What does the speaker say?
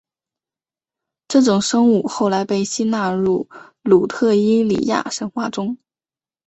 这种生物后来被吸纳入伊特鲁里亚神话中。